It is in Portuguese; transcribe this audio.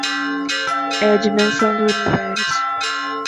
É a dimensão do universo.